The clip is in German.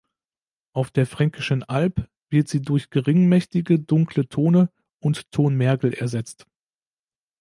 Auf der Fränkischen Alb wird sie durch geringmächtige dunkle Tone und Tonmergel ersetzt.